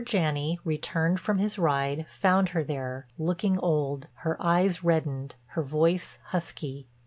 Janney, returned from his ride, found her there, looking old, her eyes reddened, her voice husky.